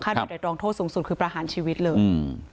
ฆ่าโดยไตรรองค์โทษสูงสุดคือประหารชีวิตเลย